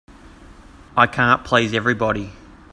I can't please everybody.